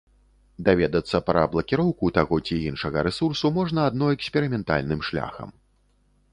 Даведацца пра блакіроўку таго ці іншага рэсурсу можна адно эксперыментальным шляхам.